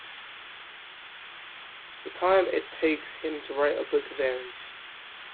The time it takes him to write a book varies.